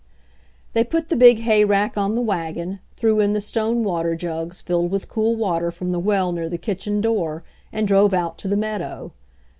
They put the big hay rack on the wagon, threw in the stone water jugs, filled with cool water from the well near the kitchen door, and drove out to the meadow.